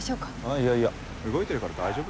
いやいや動いてるから大丈夫だろ。